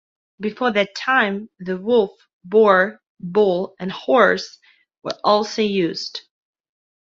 Before that time, the wolf, boar, bull and horse were also used.